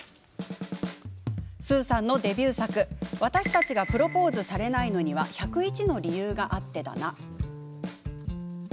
スーさんのデビュー作「私たちがプロポーズされないのには、１０１の理由があってだな」。